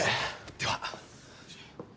では。